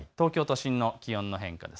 東京都心の気温の変化です。